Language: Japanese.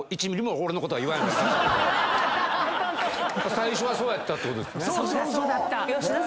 最初はそうやったってことですね。